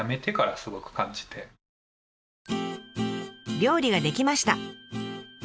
料理が出来ました。